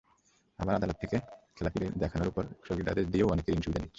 আবার আদালত থেকে খেলাপি দেখানোর ওপর স্থগিতাদেশ নিয়েও অনেকে ঋণ-সুবিধা নিচ্ছে।